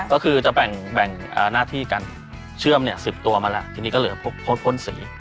ก็คือจะแบ่งหน้าที่กันเชื่อม๑๐ตัวมาแล้วทีนี้ก็เหลือพวกพดพ่นสี